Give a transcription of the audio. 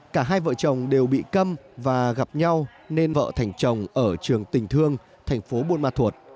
cả hai vợ chồng đều bị câm và gặp nhau nên vợ thành chồng ở trường tình thương thành phố buôn ma thuột